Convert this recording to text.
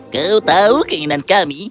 kau tahu keinginan kami